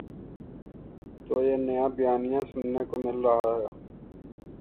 تو یہ نیا بیانیہ سننے کو مل رہا ہے۔